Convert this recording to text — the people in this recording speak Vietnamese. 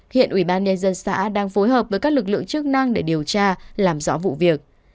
hiện ủy ban nhân dân xã đang phối hợp với các lực lượng chức năng để điều tra làm rõ vụ việc